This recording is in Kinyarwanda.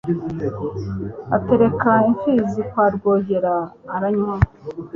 Atereka imfizi kwa Rwogera aranywa